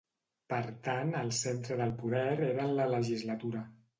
Per tant, el centre del poder era en la legislatura.